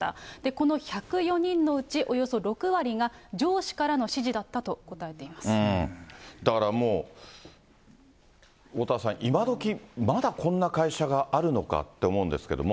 この１０４人のうちおよそ６割が上司からの指示だったと答えていだからもう、おおたわさん、今どきまだこんな会社があるのかって思うんですけれども。